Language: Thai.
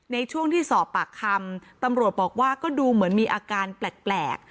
ในช่วงที่สอบปากคำตำรวจบอกว่าก็ดูเหมือนมีอาการแปลก